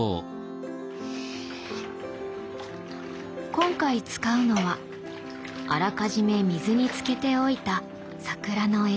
今回使うのはあらかじめ水につけておいた桜の枝。